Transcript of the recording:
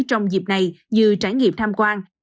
trong dịp này như trải nghiệm tham quan